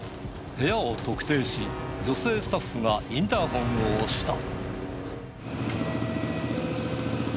部屋を特定し、女性スタッフがインターホンを押した。